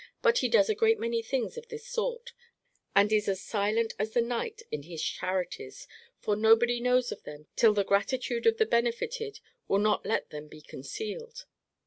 But he does a great many things of this sort, and is as silent as the night in his charities; for nobody knows of them till the gratitude of the benefited will not let them be concealed.